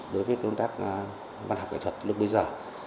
đối với công tác văn học nghệ thuật lúc bây giờ